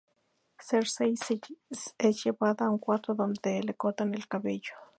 Cersei es llevada a un cuarto, donde le cortan el cabello.